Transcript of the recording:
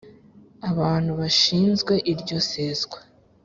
abantu bashinzwe iryo seswa